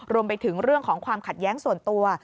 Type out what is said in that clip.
รวมไปถึงเรื่องของความขัดแย้งส่วนตัว